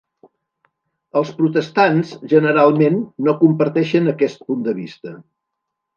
Els protestants, generalment, no comparteixen aquest punt de vista.